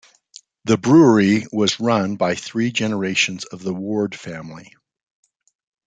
The brewery was run by three generations of the Ward family.